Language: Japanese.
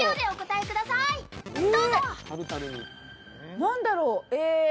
何だろう？